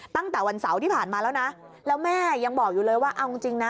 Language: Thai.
ตั้งแต่วันเสาร์ที่ผ่านมาแล้วนะแล้วแม่ยังบอกอยู่เลยว่าเอาจริงนะ